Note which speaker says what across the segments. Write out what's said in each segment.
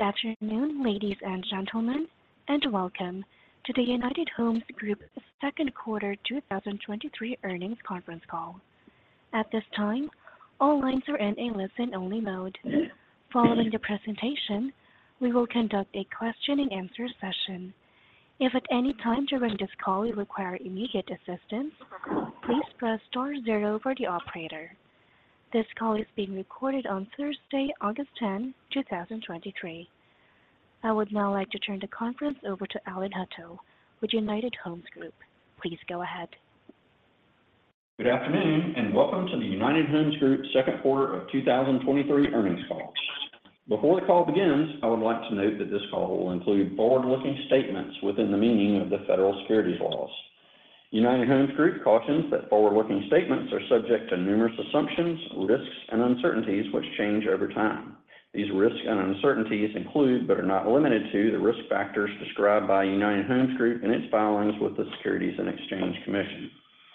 Speaker 1: Good afternoon, ladies and gentlemen, and welcome to the United Homes Group second quarter 2023 earnings conference call. At this time, all lines are in a listen-only mode. Following the presentation, we will conduct a question-and-answer session. If at any time during this call you require immediate assistance, please press star 0 for the operator. This call is being recorded on Thursday, August 10, 2023. I would now like to turn the conference over to Alan Hutto with United Homes Group. Please go ahead.
Speaker 2: Good afternoon, and welcome to the United Homes Group second quarter of 2023 earnings call. Before the call begins, I would like to note that this call will include forward-looking statements within the meaning of the federal securities laws. United Homes Group cautions that forward-looking statements are subject to numerous assumptions, risks, and uncertainties, which change over time. These risks and uncertainties include, but are not limited to, the risk factors described by United Homes Group in its filings with the Securities and Exchange Commission.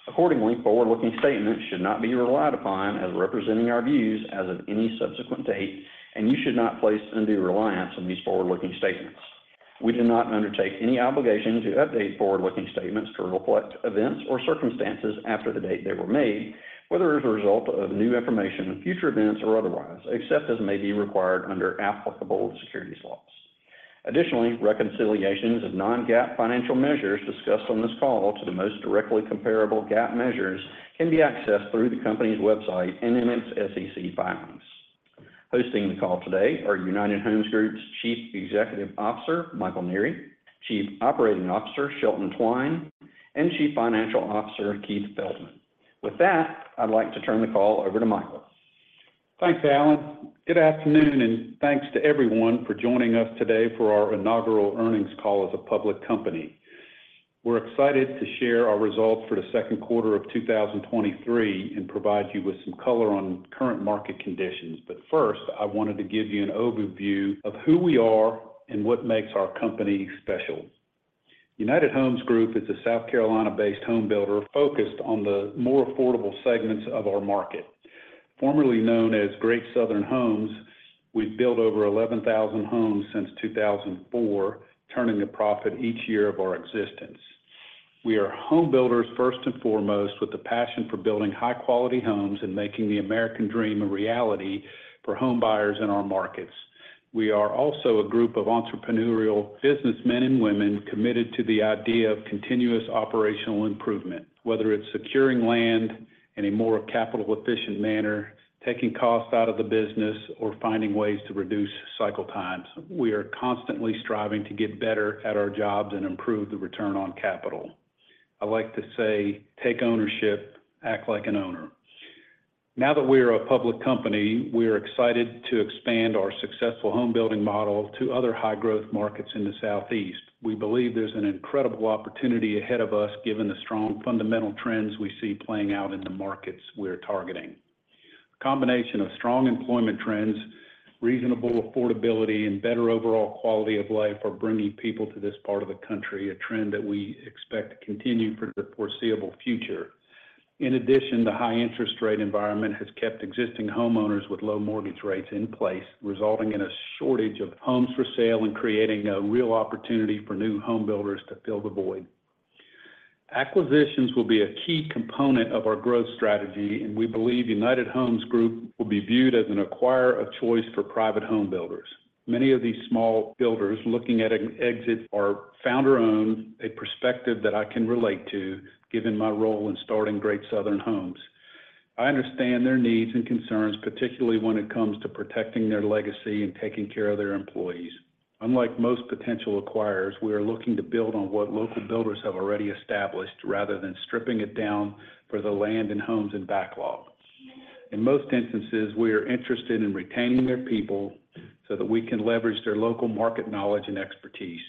Speaker 2: Accordingly, forward-looking statements should not be relied upon as representing our views as of any subsequent date, and you should not place undue reliance on these forward-looking statements. We do not undertake any obligation to update forward-looking statements to reflect events or circumstances after the date they were made, whether as a result of new information, future events, or otherwise, except as may be required under applicable securities laws. Additionally, reconciliations of non-GAAP financial measures discussed on this call to the most directly comparable GAAP measures can be accessed through the company's website and in its SEC filings. Hosting the call today are United Homes Group's Chief Executive Officer, Michael Nimer, Chief Operating Officer, Shelton Twine, and Chief Financial Officer, Keith Feldman. With that, I'd like to turn the call over to Michael.
Speaker 3: Thanks, Alan Hutto. Good afternoon, and thanks to everyone for joining us today for our inaugural earnings call as a public company. We're excited to share our results for the second quarter of 2023 and provide you with some color on current market conditions. First, I wanted to give you an overview of who we are and what makes our company special. United Homes Group is a South Carolina-based home builder focused on the more affordable segments of our market. Formerly known as Great Southern Homes, we've built over 11,000 homes since 2004, turning a profit each year of our existence. We are home builders first and foremost, with a passion for building high-quality homes and making the American dream a reality for home buyers in our markets. We are also a group of entrepreneurial businessmen and women committed to the idea of continuous operational improvement, whether it's securing land in a more capital-efficient manner, taking costs out of the business, or finding ways to reduce cycle times. We are constantly striving to get better at our jobs and improve the return on capital. I like to say, "Take ownership, act like an owner." Now that we are a public company, we are excited to expand our successful home building model to other high-growth markets in the Southeast. We believe there's an incredible opportunity ahead of us, given the strong fundamental trends we see playing out in the markets we're targeting. A combination of strong employment trends, reasonable affordability, and better overall quality of life are bringing people to this part of the country, a trend that we expect to continue for the foreseeable future. In addition, the high interest rate environment has kept existing homeowners with low mortgage rates in place, resulting in a shortage of homes for sale and creating a real opportunity for new home builders to fill the void. Acquisitions will be a key component of our growth strategy, and we believe United Homes Group will be viewed as an acquirer of choice for private home builders. Many of these small builders looking at an exit are founder-owned, a perspective that I can relate to, given my role in starting Great Southern Homes. I understand their needs and concerns, particularly when it comes to protecting their legacy and taking care of their employees. Unlike most potential acquirers, we are looking to build on what local builders have already established rather than stripping it down for the land and homes and backlog. In most instances, we are interested in retaining their people so that we can leverage their local market knowledge and expertise.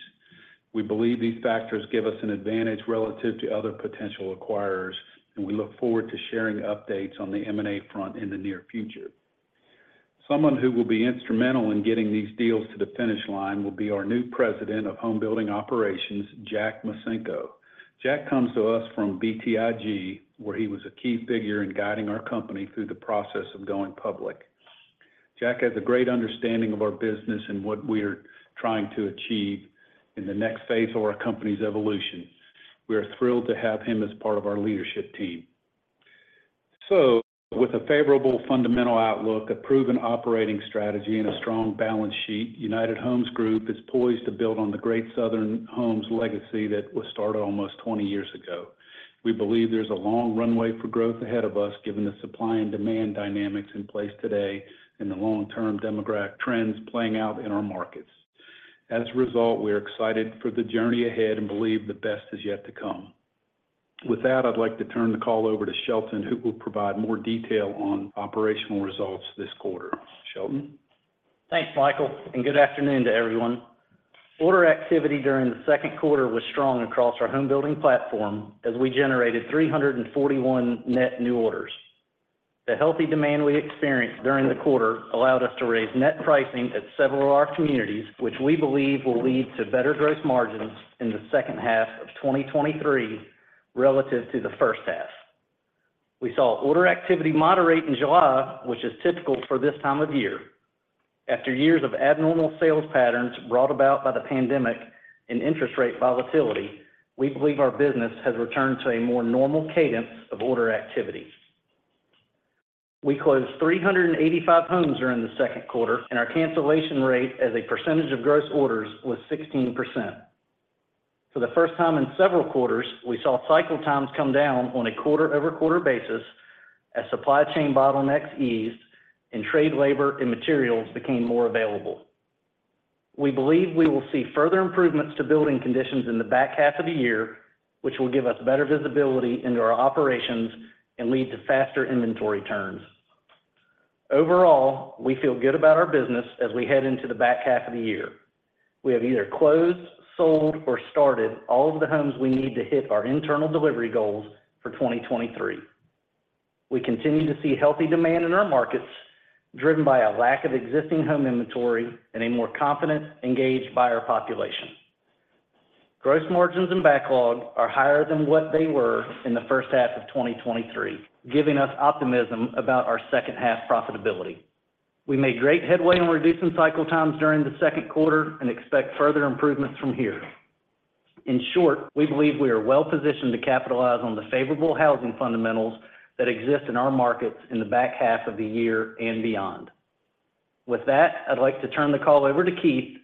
Speaker 3: We believe these factors give us an advantage relative to other potential acquirers, and we look forward to sharing updates on the M&A front in the near future. Someone who will be instrumental in getting these deals to the finish line will be our new President of Homebuilding Operations, Jack Micenko. Jack comes to us from BTIG, where he was a key figure in guiding our company through the process of going public. Jack has a great understanding of our business and what we are trying to achieve in the next phase of our company's evolution. We are thrilled to have him as part of our leadership team. With a favorable fundamental outlook, a proven operating strategy, and a strong balance sheet, United Homes Group is poised to build on the Great Southern Homes legacy that was started almost 20 years ago. We believe there's a long runway for growth ahead of us, given the supply and demand dynamics in place today and the long-term demographic trends playing out in our markets. As a result, we are excited for the journey ahead and believe the best is yet to come. With that, I'd like to turn the call over to Shelton, who will provide more detail on operational results this quarter. Shelton?
Speaker 2: Thanks, Michael, and good afternoon to everyone. Order activity during the second quarter was strong across our home building platform as we generated 341 net new orders. The healthy demand we experienced during the quarter allowed us to raise net pricing at several of our communities, which we believe will lead to better gross margins in the second half of 2023 relative to the first half.
Speaker 4: We saw order activity moderate in July, which is typical for this time of year. After years of abnormal sales patterns brought about by the pandemic and interest rate volatility, we believe our business has returned to a more normal cadence of order activity. We closed 385 homes during the second quarter, and our cancellation rate as a percentage of gross orders was 16%. For the first time in several quarters, we saw cycle times come down on a quarter-over-quarter basis as supply chain bottlenecks eased and trade labor and materials became more available. We believe we will see further improvements to building conditions in the back half of the year, which will give us better visibility into our operations and lead to faster inventory turns. Overall, we feel good about our business as we head into the back half of the year. We have either closed, sold, or started all of the homes we need to hit our internal delivery goals for 2023. We continue to see healthy demand in our markets, driven by a lack of existing home inventory and a more confident, engaged buyer population. Gross margins and backlog are higher than what they were in the first half of 2023, giving us optimism about our second half profitability. We made great headway in reducing cycle times during the second quarter and expect further improvements from here. In short, we believe we are well positioned to capitalize on the favorable housing fundamentals that exist in our markets in the back half of the year and beyond. With that, I'd like to turn the call over to Keith,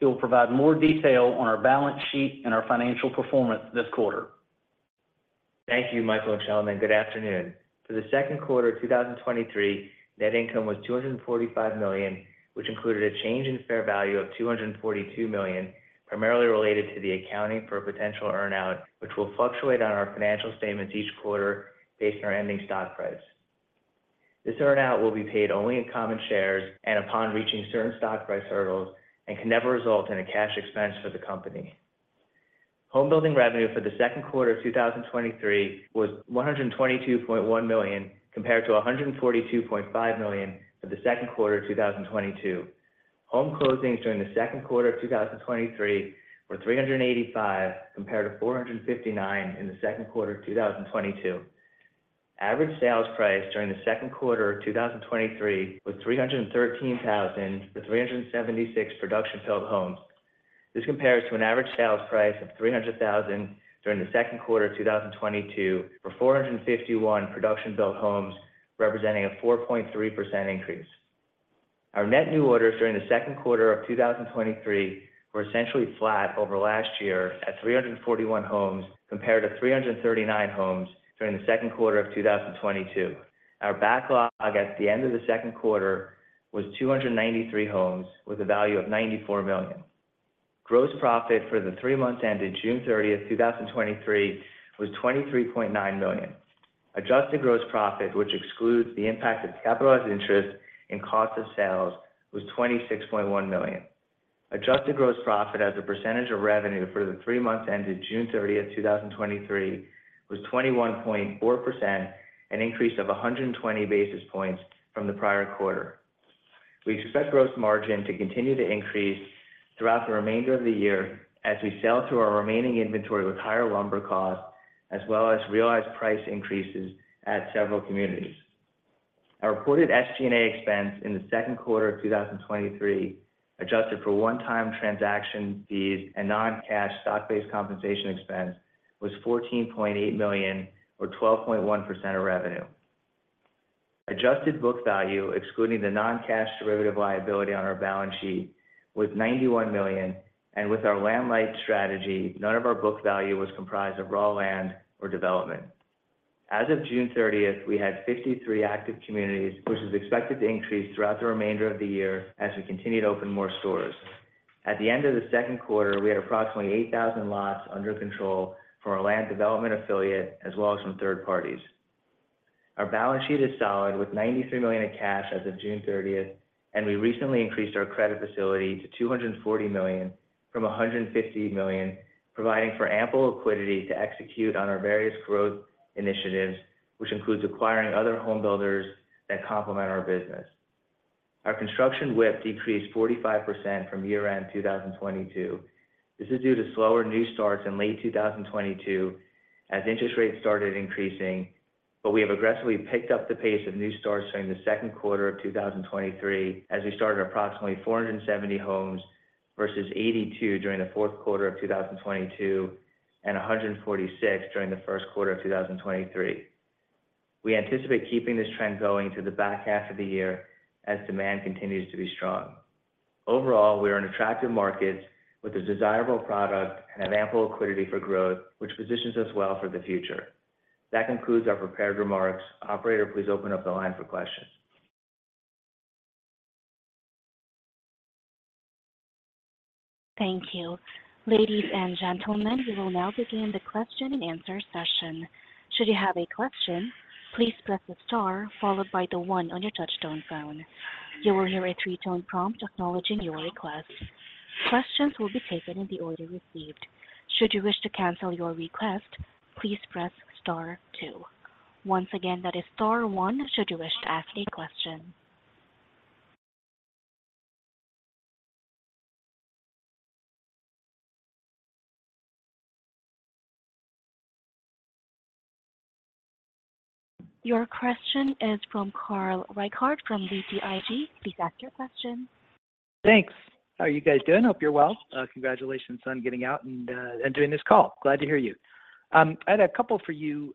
Speaker 4: who will provide more detail on our balance sheet and our financial performance this quarter.
Speaker 5: Thank you, Michael, and gentlemen, good afternoon. For the second quarter of 2023, net income was $245 million, which included a change in fair value of $242 million, primarily related to the accounting for a potential earn-out, which will fluctuate on our financial statements each quarter based on our ending stock price. This earn-out will be paid only in common shares and upon reaching certain stock price hurdles and can never result in a cash expense for the company. Home building revenue for the second quarter of 2023 was $122.1 million, compared to $142.5 million for the second quarter of 2022. Home closings during the second quarter of 2023 were 385, compared to 459 in the second quarter of 2022. Average sales price during the second quarter of 2023 was $313,000 for 376 production-built homes. This compares to an average sales price of $300,000 during the second quarter of 2022 for 451 production-built homes, representing a 4.3% increase. Our net new orders during the second quarter of 2023 were essentially flat over last year at 341 homes, compared to 339 homes during the second quarter of 2022. Our backlog at the end of the second quarter was 293 homes with a value of $94 million. Gross profit for the 3 months ended June 30, 2023, was $23.9 million. Adjusted gross profit, which excludes the impact of capitalized interest and cost of sales, was $26.1 million. Adjusted gross profit as a percentage of revenue for the 3 months ended June 30, 2023, was 21.4%, an increase of 120 basis points from the prior quarter. We expect gross margin to continue to increase throughout the remainder of the year as we sell through our remaining inventory with higher lumber costs, as well as realized price increases at several communities. Our reported SG&A expense in the second quarter of 2023, adjusted for one-time transaction fees and non-cash stock-based compensation expense, was $14.8 million, or 12.1% of revenue. adjusted book value, excluding the non-cash derivative liability on our balance sheet, was $91 million, and with our land-light strategy, none of our book value was comprised of raw land or development. As of June 30th, we had 53 active communities, which is expected to increase throughout the remainder of the year as we continue to open more stores. At the end of the second quarter, we had approximately 8,000 lots under control for our Land Development Affiliate, as well as some third parties. Our balance sheet is solid, with $93 million in cash as of June 30th. We recently increased our credit facility to $240 million from $150 million, providing for ample liquidity to execute on our various growth initiatives, which includes acquiring other home builders that complement our business. Our construction WIP decreased 45% from year-end 2022. This is due to slower new starts in late 2022 as interest rates started increasing, but we have aggressively picked up the pace of new starts during the second quarter of 2023, as we started approximately 470 homes versus 82 during the fourth quarter of 2022 and 146 during the first quarter of 2023. We anticipate keeping this trend going through the back half of the year as demand continues to be strong. Overall, we are in attractive markets with a desirable product and have ample liquidity for growth, which positions us well for the future. That concludes our prepared remarks. Operator, please open up the line for questions.
Speaker 1: Thank you. Ladies and gentlemen, we will now begin the question and answer session. Should you have a question, please press star followed by the one on your touchtone phone. You will hear a 3-tone prompt acknowledging your request. Questions will be taken in the order received. Should you wish to cancel your request, please press star two. Once again, that is star one, should you wish to ask a question. Your question is from Carl Reichardt from BTIG. He's got your question.
Speaker 6: Thanks. How are you guys doing? Hope you're well. Congratulations on getting out and doing this call. Glad to hear you. I had a couple for you,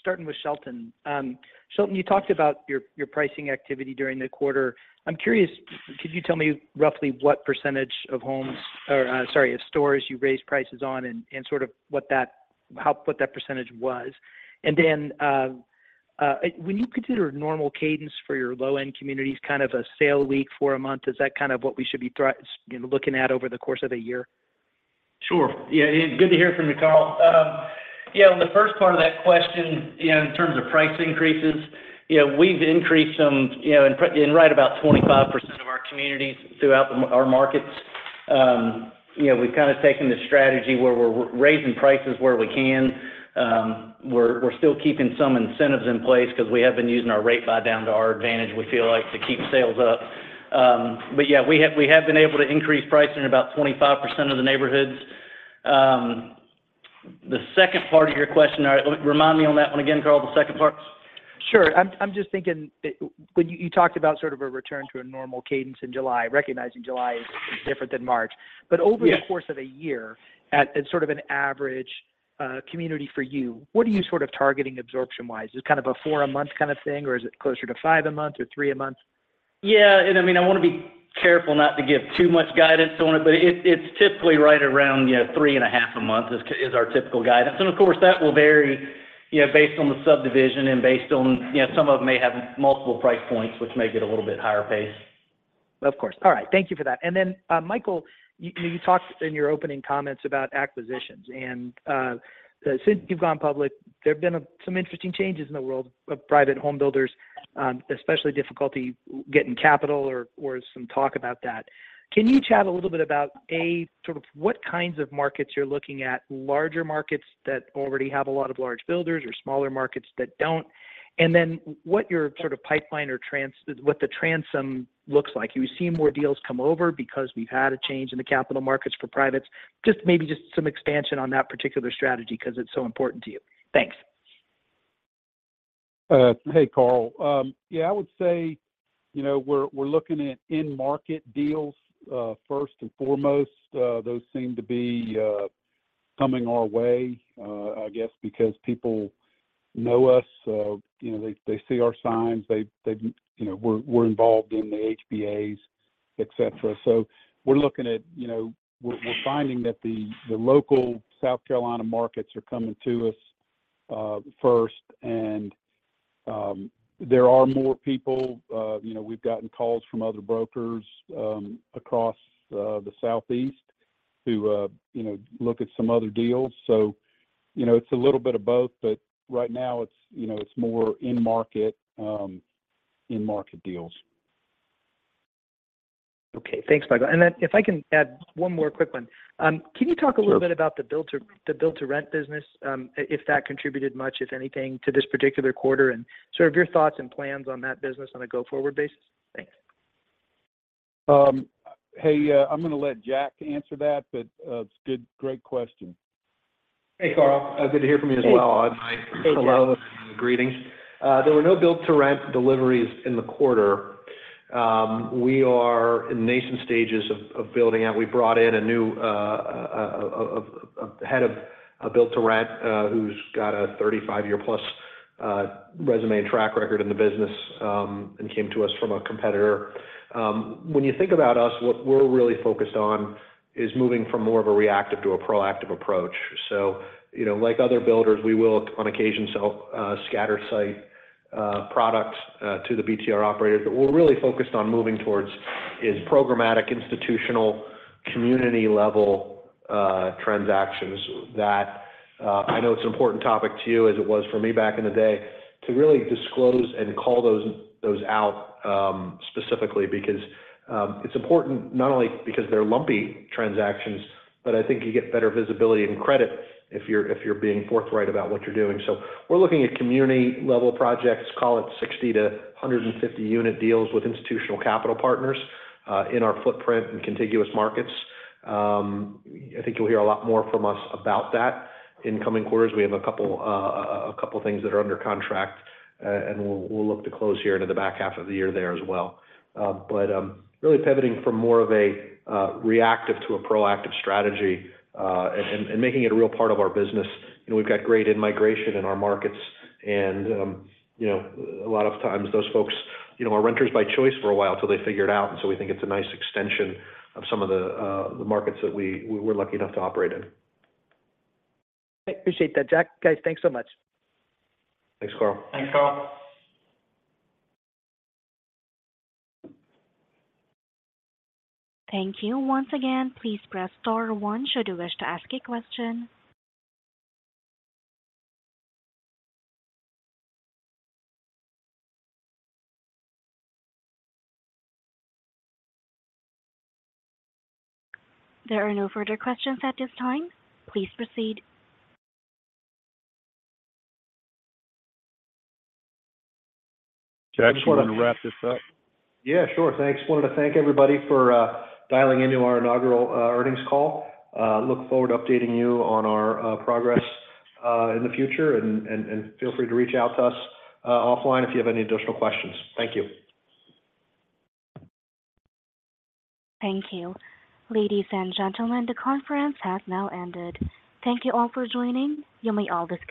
Speaker 6: starting with Shelton. Shelton, you talked about your, your pricing activity during the quarter. I'm curious, could you tell me roughly what percentage of homes, or, sorry, of stores you raised prices on and, and sort of what that-- how, what that percentage was? Then, when you consider a normal cadence for your low-end communities, kind of a sale a week for a month, is that kind of what we should be you know, looking at over the course of the year?
Speaker 4: Sure. Yeah, good to hear from you, Carl. Yeah, on the first part of that question, you know, in terms of price increases, you know, we've increased them, you know, in right about 25% of our communities throughout the, our markets. You know, we've kind of taken the strategy where we're raising prices where we can. We're, we're still keeping some incentives in place 'cause we have been using our rate buydown to our advantage, we feel like, to keep sales up. Yeah, we have, we have been able to increase pricing in about 25% of the neighborhoods. The second part of your question, all right, remind me on that one again, Carl, the second part.
Speaker 6: Sure. I'm just thinking that when you talked about sort of a return to a normal cadence in July, recognizing July is different than March.
Speaker 4: Yeah.
Speaker 6: Over the course of a year, at, at sort of an average community for you, what are you sort of targeting absorption wise? Is it kind of a 4 a month kind of thing, or is it closer to 5 a month or 3 a month?
Speaker 4: Yeah, I mean, I wanna be careful not to give too much guidance on it, but it, it's typically right around, you know, 3.5 a month is our typical guidance. Of course, that will vary, you know, based on the subdivision and based on, you know, some of them may have multiple price points, which may get a little bit higher pace.
Speaker 6: Of course. All right. Thank you for that. Michael Nearing, you, you talked in your opening comments about acquisitions, and, since you've gone public, there have been some interesting changes in the world of private home builders, especially difficulty getting capital or, or some talk about that. Can you chat a little bit about, A, sort of what kinds of markets you're looking at, larger markets that already have a lot of large builders or smaller markets that don't? what your sort of pipeline or what the transom looks like. You've seen more deals come over because we've had a change in the capital markets for privates. Just maybe just some expansion on that particular strategy 'cause it's so important to you. Thanks.
Speaker 3: Hey, Carl. Yeah, you know, we're, we're looking at in-market deals, first and foremost. Those seem to be coming our way, I guess because people know us. You know, they, they see our signs, they, they, you know, we're, we're involved in the HBAs, et cetera. We're looking at, you know... We're, we're finding that the, the local South Carolina markets are coming to us, first. There are more people, you know, we've gotten calls from other brokers, across the Southeast to, you know, look at some other deals. You know, it's a little bit of both, but right now, it's, you know, it's more in market, in-market deals.
Speaker 6: Okay. Thanks, Michael. Then if I can add one more quick one. Can you talk a little bit about the build-to-rent business, if that contributed much, if anything, to this particular quarter, and sort of your thoughts and plans on that business on a go-forward basis? Thanks.
Speaker 3: Hey, I'm gonna let Jack answer that, but, it's good, great question.
Speaker 7: Hey, Carl, good to hear from you as well.
Speaker 6: Hey, Jack.
Speaker 7: Hello. Greetings. There were no build-to-rent deliveries in the quarter. We are in the nascent stages of building out. We brought in a new head of build-to-rent, who's got a 35-year plus resume and track record in the business, and came to us from a competitor. When you think about us, what we're really focused on is moving from more of a reactive to a proactive approach. You know, like other builders, we will, on occasion, sell scattered site products to the BTR operators. What we're really focused on moving towards is programmatic, institutional, community-level transactions. That, I know it's an important topic to you, as it was for me back in the day, to really disclose and call those, those out, specifically, because, it's important not only because they're lumpy transactions, but I think you get better visibility and credit if you're, if you're being forthright about what you're doing. We're looking at community-level projects, call it 60 to 150 unit deals with institutional capital partners, in our footprint and contiguous markets. I think you'll hear a lot more from us about that in coming quarters. We have a couple, a couple of things that are under contract, and we'll, we'll look to close here into the back half of the year there as well. Really pivoting from more of a reactive to a proactive strategy, and making it a real part of our business. You know, we've got great in-migration in our markets and, you know, a lot of times those folks, you know, are renters by choice for a while until they figure it out. So we think it's a nice extension of some of the markets that we, we're lucky enough to operate in.
Speaker 6: I appreciate that, Jack. Guys, thanks so much.
Speaker 7: Thanks, Carl.
Speaker 4: Thanks, Carl.
Speaker 1: Thank you. Once again, please press star one should you wish to ask a question. There are no further questions at this time. Please proceed.
Speaker 3: Jack, do you want to wrap this up?
Speaker 7: Yeah, sure. Thanks. Wanted to thank everybody for dialing into our inaugural earnings call. Look forward to updating you on our progress in the future, and feel free to reach out to us offline if you have any additional questions. Thank you.
Speaker 1: Thank you. Ladies and gentlemen, the conference has now ended. Thank you all for joining. You may all disconnect.